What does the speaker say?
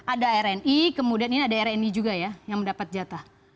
ada rni kemudian ini ada rni juga ya yang mendapat jatah